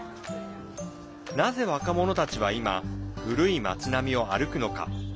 なぜ若者たちは今古い町並みを歩くのか。